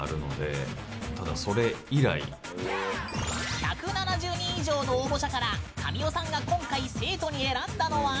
１７０人以上の応募者から神尾さんが今回、生徒に選んだのは。